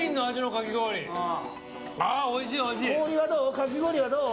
かき氷はどう？